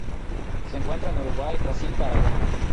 Se encuentra en Uruguay, Brasil, Paraguay.